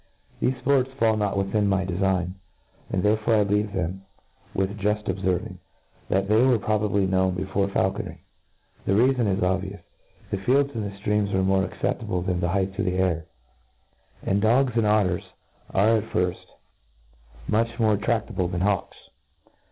".* Thefe fports fall not within my defign j and therefore I leave them,, with juft obferving, that jhcy were probably known before faulconry. The reafon is obvious, The fields and the ftreanis are more acceffible than the heights of the air j and dogs and ojtters are at firft fight much more tradable than hawks.